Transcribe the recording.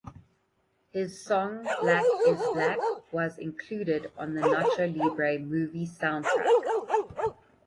His song "Black is Black" was included on the Nacho Libre movie soundtrack.